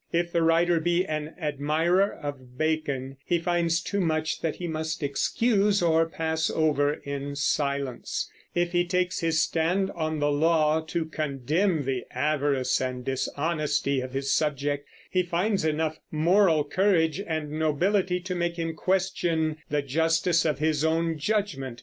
If the writer be an admirer of Bacon, he finds too much that he must excuse or pass over in silence; and if he takes his stand on the law to condemn the avarice and dishonesty of his subject, he finds enough moral courage and nobility to make him question the justice of his own judgment.